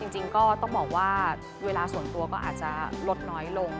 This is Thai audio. จริงก็ต้องบอกว่าเวลาส่วนตัวก็อาจจะลดน้อยลง